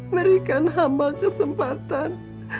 berikan hamba kesempatan